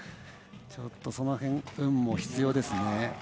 ちょっと、その辺運も必要ですね。